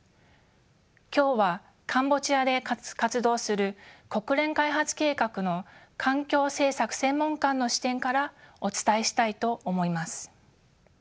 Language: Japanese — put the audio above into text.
今日はカンボジアで活動する国連開発計画の環境政策専門官の視点からお伝えしたいと思います。